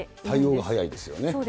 対応が早いですよね。